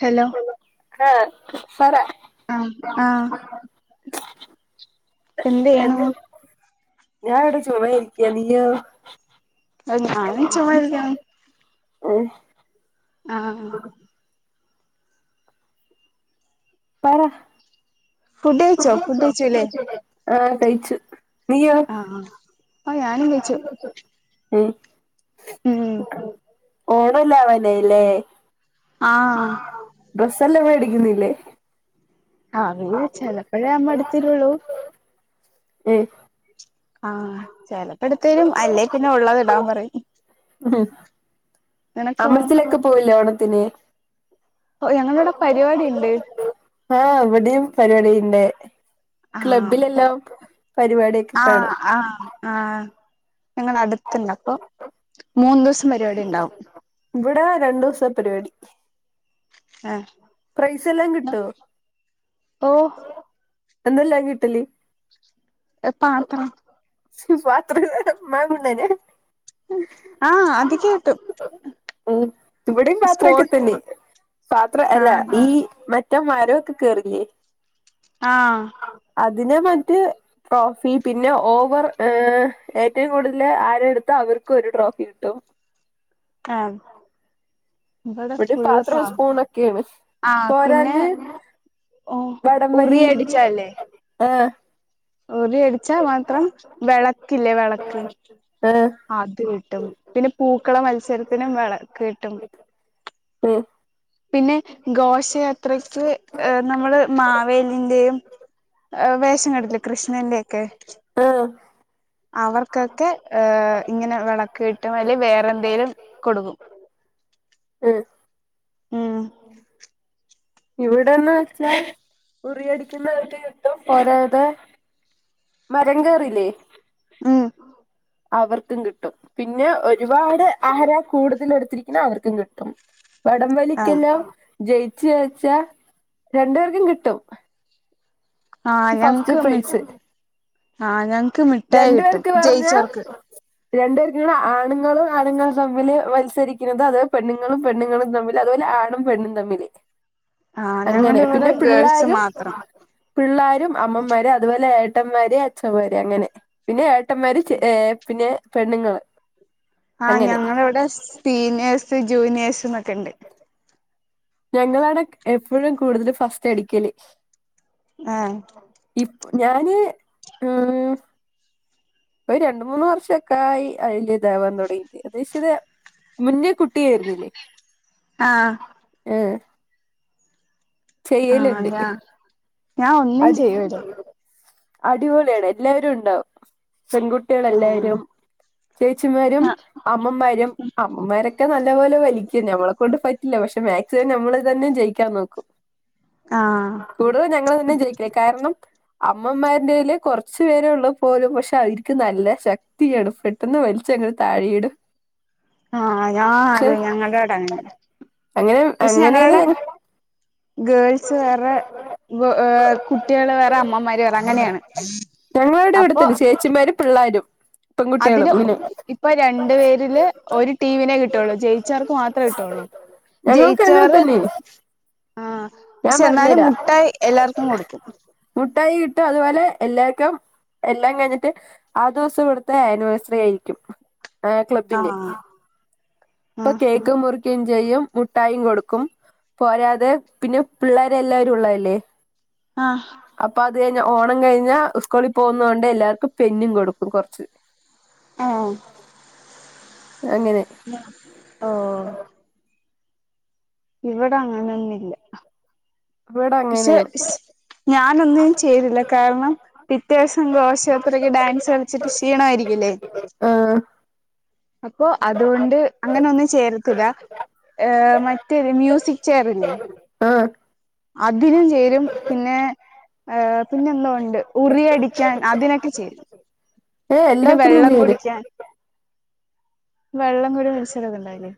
Hello ആഹ് പറ ആഹ് ആഹ് എന്ത് ചെയ്യണു തന്നെ ഞാനിവിടെ ചുമ്മായിരിക്ക നീയോ? ഞാനും ചുമ്മായിരിക്കണു എഹ് ആഹ് പറ ഫുഡ് കയിച്ചോ ഫുഡ് കഴിച്ചുല്ലേ ആഹ് കഴിച്ചു നീയോ ആഹ് ഓ ഞാനും കഴിച്ചു എ ഉം ഓണല്ലാവനയില്ലേ ആഹ് ഡ്രസ്സെല്ലാം മേടിക്കുന്നില്ലേ അഹ് ചിലപ്പോഴേ അമ്മ അടുത്തിള്ളൂ [unintelligible] ആഹ് ചെലപ്പെടുത്തേരും അല്ലേ പിന്നെ ഉള്ളത് ഇടാൻ പറയും ഉ നിനക്കോ അമ്പലത്തിലൊക്കെ പോയില്ലേ ഓണത്തിന് ഓഹ് ഞങ്ങളിവിടെ പരിപാടി ഇണ്ട് ആഹ് എവിടെയും പരിപാടിയിണ്ട് ആഹ് അപ്പൊ ക്ലബ്ബിലെല്ലാം പരിപാടിയൊക്കെ കാണ ആഹ് ആഹ് ആഹ് ഞങ്ങളെ അടുത്തുണ്ട അപ്പൊ മൂന്നുസം പരിപാടി ഇണ്ടാവും ഇവിടെ രണ്ടുസ പരിപാടി ആഹ് പ്രൈസ് എല്ലാം കിട്ടോ ഓഹ് എന്തല്ല കിട്ടല് ങ് പത്ര [unintelligible] ആഹ് അതൊക്കെ കിട്ടും [unintelligible] ഇവിടെ പത്രൊക്കെ സ്പോർട്സ് തന്നെ പാത്ര അല്ല ആഹ് ഈ മറ്റെ മരംക്കെ കേറിയേ ആഹ് അതിന മറ്റെ ട്രോഫി പിന്നെ ഓവർ ങ് ഏറ്റവും കൂടുതല് ആരെടുത്ത് അവർക്ക് ക്കൊരു ട്രോഫി കിട്ടും ആഹ് ഇവിടെ ഫുള്ള് പാത്രം പാ സ്പൂണൊക്കെണ് ആഹ് പിന്നെ പോരാഞ്ഞ് ഓ ഉറി വടംവലി ങ് ഒരി അടിച്ചാ മാത്രം വെളക്കില്ലേ വെളക്ക് ആഹ് അത് കിട്ടും പിന്നെ പൂക്കള മത്സരത്തിനും വെളക്ക് കിട്ടും ഉം പിന്നെ ഘോഷയാത്രക്ക് നമ്മള് മാവേലിൻന്റെയും. വേഷം കിടലെ കൃഷ്ണന്റെ ഒക്കെ ആഹ് അവർക്കൊക്കെ ഇങ്ങനെ വിളക്ക് കിട്ടും അല്ലെിൽ വേറെ എന്തെങ്കിലും കൊടുക്കും [inaudible] ആഹ് ഉം ഉഓ ഇവിടെന്ന് വെച്ചാൽ ഉറിയടിക്കുന്നവർക്ക് യുദ്ധം പോരാതെ മരം കയറിലേ [inaudible] അവർക്കും കിട്ടും പിന്നെ ഒരുപാട് ആഹാര കൂടുതല എടുത്തിരിക്കുന്ന അവർക്കും കിട്ടും. വടം ആഹ് വലിക്കല്ലോ ജയിച്ച ചച്ച രണ്ടു പേർക്കും കിട്ടും. ആഹ് പക്ഷ ഫസ്റ്റ് ഞങ്ങക്ക് മി പ്രൈസ് ആഹ് ഞങ്ങക്ക് മിഠായി രണ്ട കിട്ടും പേർക്ക് പറഞ്ഞ ജയിച്ചവർക്ക് രണ്ടു പേർക്ക് ആണുങ്ങളും ആണുങ്ങളും തമ്മില് മത്സരിക്കുന്നത് അത് പെണ്ണുങ്ങളും പെണ്ണുങ്ങളും തമ്മിൽ അതുപോലെ ആണും പെണ്ണും തമ്മില്. ആ അങ്ങനെ ഞങ്ങളിവടെ പിന്നെ ഗേൾസ് പിള്ളാരും മാത്രം. പിള്ളാരും അമ്മമാര് അതുപോലെ ഏട്ടന്മാര് അച്ഛന്മാര് അങ്ങനെ പിന്നെ ഏട്ടന്മാര് ഏർ പിന്നെ പെണ്ണുങ്ങള് ആഹ അങ്ങനെ ഞങ്ങളവിടെ സീനിയേഴസ് ജൂനിയേഴ്സ് ന്നൊക്കെണ്ട് ഞങ്ങളാണ് എപ്പോഴും കൂടുതല് ഫസ്റ്റ് അടിക്കല്. ആഹ ഇ ഞാന് ഉ പ്പൊ രണ്ട് മൂന്ന് വർഷൊക്കായ് അയില് ഇതവാൻ തൊടങ്ങിട്ട് ഏകദേശത് മുന്നേ കുട്ടിയായിരുന്നില്ലേ ആഹ ആഹ് ആഹ് ചെയ്യല്ണ്ട് ഞാ ഞാൻ ഒന്നും അടി ചെയ്യൂല അടിപൊളിയാണ് എല്ലാവരും ഉണ്ടാവും. ആഹ് പെൺകുട്ടികളെല്ലാരും ചേച്ചിമാരും ആഹ് അമ്മമാരും. അമ്മമാരൊക്കെ നല്ലപോലെ വലിക്കും ഞമ്മളെക്കൊണ്ട് പറ്റില്ല. പക്ഷെ മാക്സിമം നമ്മള് തന്നെ ജയിക്കാൻ നോക്കും. [inaudible] ആഹ് കൂടുതല് ഞങ്ങള് തന്ന ജയിക്കണേ കാരണം അമ്മമാരുന്റെേല് കൊറച്ച് പേരെ ഉള്ളെപോലും പക്ഷെ അവര്ക്ക് നല്ല ശക്തിയാണ് പെട്ടെന്ന് വലിച്ചെങ്ങനെ താഴീട് ആഹ ഞാ അത് ഞങ്ങളാട അങ്ങന്യ അങ്ങനെ പക്ഷെ ഞങ്ങളാട അങ്ങനെല് ഗേൾസ് വേറെ ഏ് കുട്ടികള് വേറെ അമ്മമാര് വേറെ അങ്ങനെയാണ് അപ്പൊ അച്ചന്മാരും പിള്ളാരും. പെൺകുട്ടികളും അതിന് ഇങ്ങനെ ഇപ്പൊ രണ്ടു പേരില് ഒരു ടീമിനെ കിട്ടുള്ളൂ ജയിച്ചാർക്ക് മാത്രമേ കിട്ടുള്ളൂ. ഞങ്ങൾക്ക് അങ്ങനെ ജയിച്ചവർ തന്നെ ആഹ ഞാൻ പക്ഷെ എന്നാലും പറഞ്ഞുതരാം മുട്ടായി എല്ലാർക്കും കൊടുക്കും. മുട്ടായി കിട്ടും അതുപോലെ എല്ലാര്ക്കും. എല്ലാം കഴിഞ്ഞിട്ട് ആ ദിവസം ഇവിടുത്തെ ആനിവേഴ്സറി ആയിരിക്കും ആ ക്ലബ്ബിന്റെ. ആഹ് പ്പൊ ആഹ് കേക്ക് മുറിക്കയും ചെയ്യും മുഠായും കൊടുക്കും. പോരാതെ പിന്നെ പിള്ളാര് എല്ലാവരും ഉള്ളതല്ലേ. ആഹ്. അപ്പൊ അത് കഴിഞ്ഞ ഓണം കഴിഞ്ഞ സ്കൂളി പോകുന്നത് കൊണ്ട് എല്ലാർക്കും പെന്നും കൊടുക്കും കൊർച്ച്. ആഹ്. അങ്ങനെ. ലോ ഓഹ്. ഇവിടങ്ങനൊന്നുല്ല. ഇവിടെ പഷേ അങ്ങനെയാണ് ശ് ഞാനൊന്നും ചെയ്തില്ല കാരണം. പിറ്റെവസം ഘോഷയാത്രയ്ക്ക് ഡാൻസ് കളിച്ചിട്ട് ക്ഷീണമായിരിക്കില്ലേ. ആഹ്. അപ്പൊ അതുകൊണ്ട് അങ്ങനൊന്നും ചേരത്തില്ല. ഏഹ് മറ്റെരു മ്യൂസിക് ചെയറ്ല്ലേ. ആ അതിനും ചേരും പിന്നെ എഹ് പിന്നെന്തോണ്ട് ഉറിയടി. ച്ചാൻ അതിനൊക്കെ ചേരും ഏ പിന്നെ എല്ലാത്തിനും വെള്ളം പേര് കുടിക്കാൻ. വെള്ളം കുടി മത്സരൊക്കെ ഉണ്ടാവില്ലേ.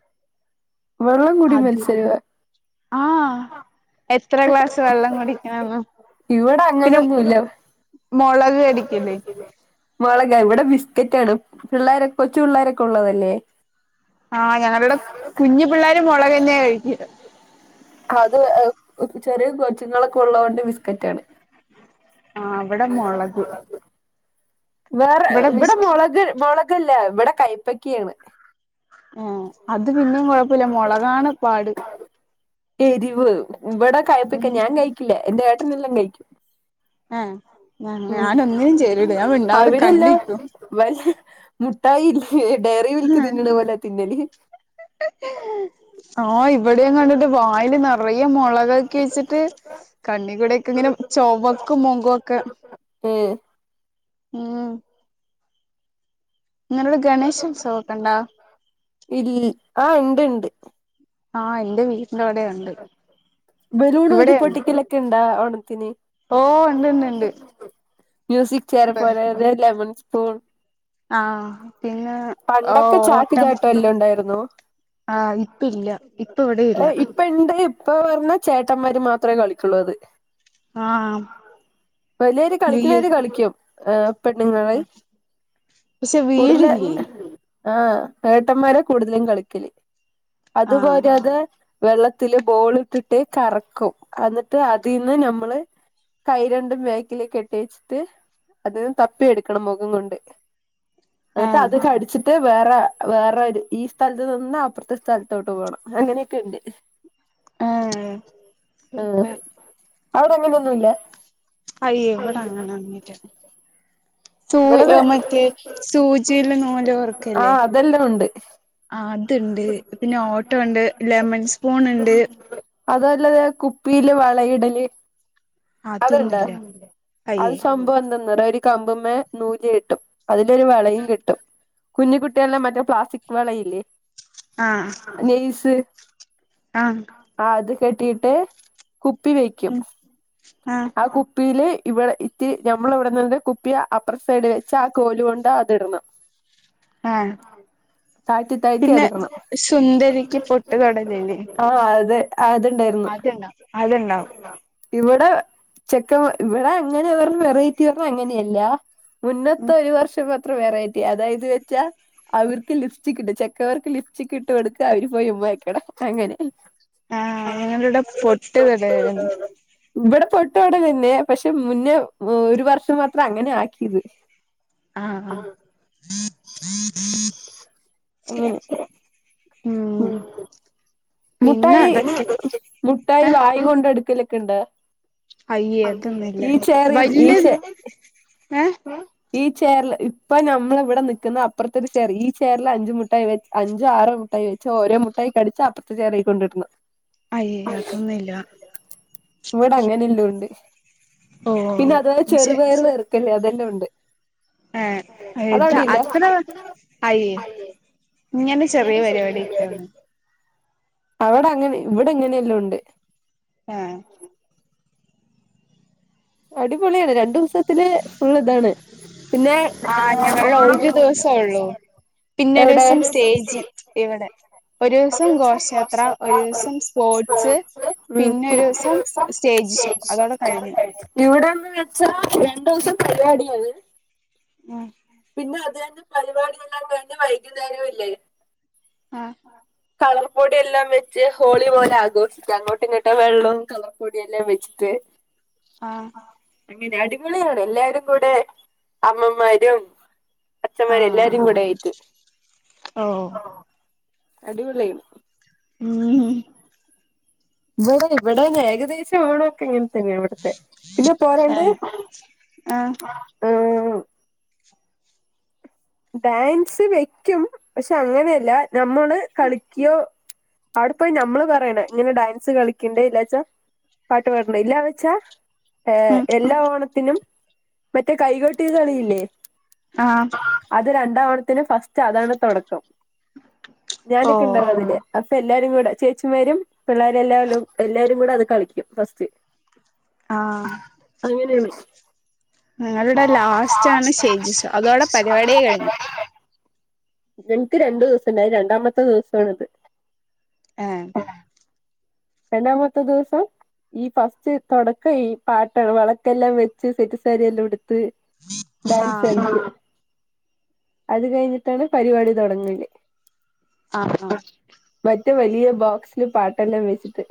വെള്ളം കുടി അത് മത്സരവാ ആഹ്. എത്ര ക്ലാസ് വെള്ളം കുടിക്കണന്ന്. ഇവിടങ്ങനൊന്നുല്ല. മൊളക് കടിക്കില്ലെ. മൊളകെ ഇവിടെ ബിസ്ക്കറ്റാണ് പിള്ളേര കൊച്ചു പിള്ളേരൊക്കെ ഉള്ളതല്ലേ. ആഹ് ഞങ്ങളുടെ കുഞ്ഞു പിള്ളേരും മൊളകെന്നെ കഴിക്കത്. അത് അഹ് ചെറിയ കൊച്ചുങ്ങളൊക്കെ ഉള്ളതോണ്ട് ബിസ്കറ്റാണ്. ആഹ് ഇവടെ മൊളക്. വേറെ ഇവടെ ബിസ്ക് മുളക് മൊളകല്ല ഇവടെ കൈപ്പക്കിയാണ്. ഏഹ് അത് പിന്നിം കൊഴപ്പില്ല മുളകാണ് പാട്. എരിവ് ഇവടെ ഉം കയ്പ്പക്ക ഞാൻ കഴിക്കില്ലാ എന്റെ ഏട്ടനെല്ലാം കഴിക്കും. ഏഹ് ഞ ഉം ഞാനൊന്നിനും ചേരൂല ഞാൻ മിണ്ടാതെ കണ്ടിരിക്കു. വൽ മുട്ടായില്ലേ ഡയറി മിൽക്ക് തിന്നണ പോലെ തിന്നല്. ആഹ് ഇവിടെം കണ്ടിട്ട് വായില് നെറയെ മൊളകാക്കി വെച്ചിട്ട്. കണ്ണികൂടെക്കെങ്ങനെ ചൊവ്വക്കും മുഖൊക്കെ. ഏഹ്. ഉം. ങ്ങളടെ ഗണേശം ഉത്സവൊക്കെണ്ടോ. ഇൽ ആഹ് ണ്ട് ണ്ട്. ആഹ് ഇ ബലൂൺ ഊതി ഇവിടെയുണ്ട് പൊട്ടിക്കല്. ക്കെണ്ടാ ഓണത്തിന് ഓഹ് ഉണ്ട് ഉണ്ട് ഉണ്ട് മ്യൂസിക്. ചെറ പോലെത് ലെമൺ സ്പൂൺ. ആഹ് പിന്നെ ഓ ഓട്ടം. എല്ലോണ്ടായിരുന്നു. ആഹ് ഇപ്പില്ല ഇപ്പ ഇവിടെ ഇല്ല. ഇപ്പണ്ട് ഇപ്പ പർഞ്ഞ ചേട്ടന്മാര് മാത്രേ കളിക്കുള്ളൂ അത്. ആഹ് വലിയര് വീ കളിക്ക്ണവര് കളിക്കും എഹ്. പെണ്ണുങ്ങള് പക്ഷെ കൂട്തല് വീടില്ലേ ആഹ് ഏട്ടന്മാരാ കൂടുതലും കളിക്കല് ആഹ് അതുപോലെ വെള്ളത്തില് ബോള്ട്ടിട്ട് കറക്കും എന്നിട്ട് അതീന്ന് നമ്മള് കൈരണ്ടും ബേക്കില് കെട്ടി വെച്ചിട്ട് അത് തപ്പി എടുക്കണം മുഖം കൊണ്ട്. എന്നിട്ട് ആഹ് അത് കടിച്ചിട്ട് വേറെ വേറെ ഈ സ്ഥലത്ത് നിന്ന് അപ്പ്റത്തെ സ്ഥലത്തോട്ട് പോകണം. അങ്ങനെയൊക്കണ്ട് ആഹ് ഇപ്പ ആഹ്. അവടെങ്ങനേന്നുല്ല? അയ്യേ വടെ അങ്ങനൊന്നുല്ലാ. സൂ ഇവിടത് മറ്റേ സൂചില് നൂല് കോർക്കല്ലേ? ആഹ് അതെല്ലാം ഉണ്ട് ആത്ണ്ട് പിന്നെ ഓട്ടോണ്ട് ലെമൺ സ്പൂൺ ണ്ട്. അതല്ലതെ കുപ്പിയില് വളയിടല്. അത്ണ്ടാ? അതൊന്നുല്ല അത് അയ്യേ സംഭവം എന്തന്നറിയോ ഒര് കമ്പ്മ്മേ നൂല് കെട്ടും അതിലൊരു വളയും കെട്ടും. കുഞ്ഞികുട്ട്യാളെ മറ്റേ പ്ലാസ്റ്റിക് വളയില്ലേ? ആഹ്. നെയ്സ് ആഹ് ആത് കെട്ടീട്ട് കുപ്പി വെക്കും ഉം ആഹ് ആ കുപ്പ കുപ്പീല് ഇവിടെ ഇത്തിരി നമ്മളെ ഇവിടെന്ന് കുപ്പിയെ അപ്പ് അപ്ര സൈഡ് വെച്ച ആ കോലു കൊണ്ട് അതിടണം. ആഹ് താഴ്ത്തി താഴ്ത്തി പിന്നെ അതിടണം സുന്ദരിക്ക് പൊട്ട് തൊടലില്ലേ ആഹ് അതെ ആഹ് അത്ണ്ടായിരുന്നു. അതുണ്ടാവും അതുണ്ടാവും ഇവിടെ ചെക്ക ഇവിടെ അങ്ങനെ ഒരു വെറൈറ്റി ഒന്നും അങ്ങനെയല്ല. മുന്നത്തെ ഉം ഒരു വർഷം മാത്രം വേറെറ്റി അതായത് വെച്ചാ അവർക്ക് ലിപ്സ്റ്റിക് ട്ട് ചെക്കമ്മാർക്ക് ലിപ്സ്റ്റിക് ഇട്ട് കൊടുക്ക അവര് പോയി ഉമ്മ വെക്കണം അങ്ങനെ. ആഹ് ഞങ്ങളുടെ വടെ പൊട്ട് തൊടായിരുന്നു. ഇവിടെ പൊട്ടു തൊടലന്നെ പക്ഷെ മുന്നേ ഒരു വർഷം മാത്രം അങ്ങനെ ആക്കിയത്. ആഹ് അങ്ങനെ ആഹ് പിന്നെ മുട്ടായി അതൊക്കെ മുട്ടായി ഏഹ് വായി കൊണ്ട് എടുക്കലൊക്കണ്ടോ? അയ്യേ അതൊന്നുല്ല ഈ ചേറി ഈ വല്യ ചെ ഏഹ് ഈ ചേയറില് ഇപ്പൊ നമ്മൾ ഇവിടെ നിക്കുന്ന അപ്പറത്തൊരു ചേയർ ഈ ചേയറിൽ അഞ്ചു മുട്ടായി വെ അഞ്ചോ ആറോ മുട്ടായി വെച്ച് ഓരോ മുട്ടായി കടിച്ച് അപ്പ്റത്തെ ചേയറീ കൊണ്ടീടണം. അയ്യേ അതൊന്നുയില്ല. ഇവിടെ അങ്ങനെല്ലോണ്ട് പിന്നെ അതുപോലെ ക്ഷെ ചെറുപയർ പെറുക്കല് അതെല്ലോണ്ട്. ഏഹ് ഇത് അതവ്ടീല്ല? അത്ര അയ്യേ ഇങ്ങനെ ചെറിയ ങ്ങനെ ചെറ്യേ പരിപാടി പരിപാടിയൊക്കെയാണ് അവിടെ അങ്ങനെ ഇവിടെ ഇങ്ങനെയെല്ലോണ്ട്. ആഹ് അടിപൊളിയാണ് രണ്ടു ദിവസത്തില് ഫുള്ള്താണ്. പിന്നെ- ആഹ് [unintelligible] എവിടെ പിന്നെരൂസം സ്റ്റേജ് ഇവടെ ഒരൂസം ഘോഷയാത്ര ഒരു ദിവസം സ്പോർട്സ് ഉം പിന്നെ ഒരൂസം സ്റ്റേജ് ഷോ. അതോടെ കഴിഞ്ഞു. ഇവിടെന്ന് വെച്ചാ രണ്ടുസം പരിപാടിയാണ്. ഉം പിന്നെ അദ്ദേഹന്റെ പരിപാടി ഉണ്ടാകുന്നതു എല്ലാം വൈകുന്നേരം ഉല്ലേ. ആഹ് കളർപ്പൊടിയെല്ലാം വെച്ച് ഹോളി പോലെ ആഘോഷിക്ക അങ്ങോട്ടും ഇങ്ങോട്ട് വെള്ളം കളർപൊടിയെല്ലാം വെച്ചിട്ട് ആഹ് അങ്ങനെ അടിപൊളിയാണ് എല്ലാരും കൂടെ അമ്മമാരും അച്ഛന്മാരും ആഹ് എല്ലാരും കൂടെ ആയിട്ട് ഓഹ് അടിപൊളിയിരുന്നു. ഉം ഉം ഇവടെ ഇവടെ ഞ് ഏകദേശം ഓണൊക്കെ ഇങ്ങ തന്നെ ഇവിടുത്തെ പിന്നെ പോരണ്ട് ആഹ് ആഹ് ഡാൻസ് വെക്കും പക്ഷെ അങ്ങനെയല്ല നമ്മള് കളിക്കിയോ അവിടെ പോയി നമ്മള് പറയണ ഇങ്ങനെ ഡാൻസ് കളിക്കണ്ടേ ഇല്ലാച്ചാ പാട്ട് പാടണ്ടേ ഇല്ലാ വച്ചാ ഏ ഉം എല്ലാ ഓണത്തിനും മറ്റേ കൈകൊട്ടി കളിയില്ലേ. ആഹ് അത് രണ്ടാ ഓണത്തിന് ഫസ്റ്റ് അതാണ് തുടക്കം ഓ ഞാനൊക്കെ ഇണ്ടല്ലോ അതില്. അപ്പ എല്ലാരും കൂടെ ചേച്ചിമാരും പിള്ളേരും എല്ല കൊല്ലും എല്ലാരും കൂടെ അത് കളിക്കും ഫസ്റ്റ്. ആഹ് അങ്ങനെയാണ് നിങ്ങളുടെ ലാസ്റ്റ് ആണ് സ്റ്റേജ് ഷോ അതോടെ പരിപാടിയേ [unintelligible] കഴിഞ്ഞു എനിക്ക് രണ്ടു ദിവസം ഇണ്ടായിനി രണ്ടാമത്തെ ദിവസമാണത്. ഏഹ് ഏ രണ്ടാമത്തെ ദിവസം ഈ ഫസ്റ്റ് തൊടക്കം ഈ പാട്ടാണ് വളക്കെല്ലാം വെച്ച് സെറ്റ്സാരിയെല്ലാം ഉടുത്ത് ഡാൻസ് ആഹ് [unintelligible] അത് കഴിഞ്ഞിട്ടാണ് പരിപാടി തൊടങ്ങല്. ആഹ് ആഹ് മറ്റേ വലിയ ബോക്സില് പാട്ടെല്ലാം വെച്ചിട്ട്